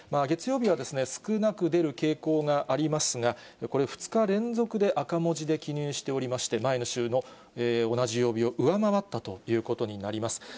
月曜日は少なく出る傾向がありますが、これ、２日連続で赤文字で記入しておりまして、前の週の同じ曜日を上回ったということになります。